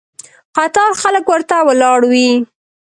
قطار خلک ورته ولاړ وي.